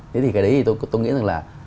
thế thì cái đấy tôi nghĩ rằng là